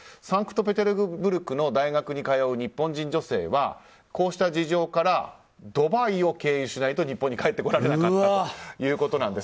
サンクトペテルブルクの大学に通う日本人女性はこうした事情からドバイを経由しないと日本に帰られなくなったと。